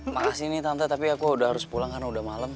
makasih nih tante tapi aku udah harus pulang karena udah malam